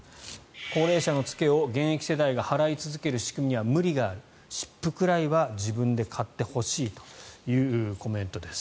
高齢者の付けを現役世代が払い続ける仕組みには無理がある湿布くらいは自分で買ってほしいというコメントです。